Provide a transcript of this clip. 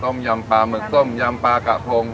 ตัมยามปลาหมึกตัมยามปลากาภง